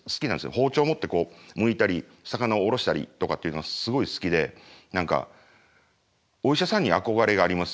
包丁持ってむいたり魚をおろしたりとかっていうのがすごい好きで何かお医者さんに憧れがあります。